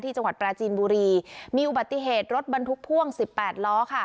จังหวัดปราจีนบุรีมีอุบัติเหตุรถบรรทุกพ่วงสิบแปดล้อค่ะ